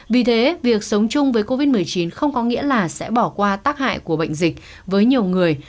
vì thế việc sống chung với covid một mươi chín không có nghĩa là sẽ bỏ qua tác hại của bệnh dịch với nhiều người